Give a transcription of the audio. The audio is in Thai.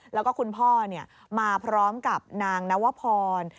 แล้วก็คุณพ่อมาพร้อมกับนางนวพร